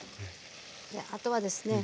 あとはですね